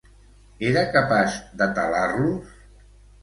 Era capaç de talar-los?